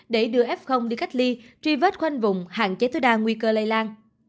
để đưa f đi cách ly truy vết khoanh vùng hạn chế tối đa nguy cơ lây lan